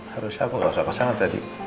harus siapkan gak usah pesan tadi